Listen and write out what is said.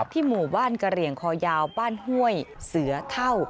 หมู่บ้านกระเหลี่ยงคอยาวบ้านห้วยเสือเท่า